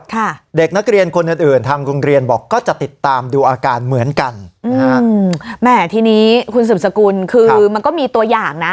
ค่ะเด็กนักเรียนคนอื่นอื่นทางโรงเรียนบอกก็จะติดตามดูอาการเหมือนกันนะฮะอืมแหมทีนี้คุณสืบสกุลคือมันก็มีตัวอย่างนะ